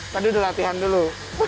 tadi dilatihan dulu